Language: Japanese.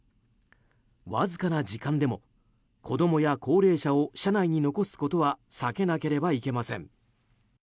わずかな時間でも子供や高齢者を車内に残すことは避けなければいけません。